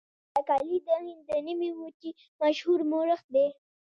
مبارک علي د هند د نیمې وچې مشهور مورخ دی.